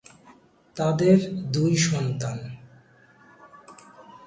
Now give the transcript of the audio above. তাদের দুই সন্তান।